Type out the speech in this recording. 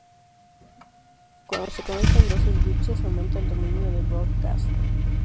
Cuando se conectan dos "switches", aumenta el dominio de "broadcast".